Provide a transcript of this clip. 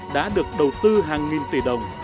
đã được đầu tư hàng nghìn tỷ đồng